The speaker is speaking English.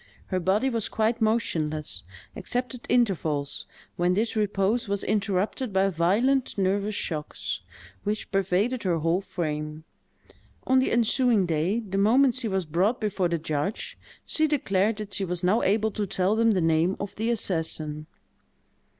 Her body was quite motionless, except at intervals, when this repose was interrupted by violent nervous shocks, which pervaded her whole frame. On the ensuing day, the moment she was brought before the judge, she declared that she was now able to tell them the name of the assassin.